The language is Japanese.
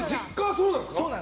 そうなんです。